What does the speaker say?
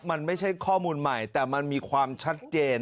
มันไม่ใช่ข้อมูลใหม่แต่มันมีความชัดเจน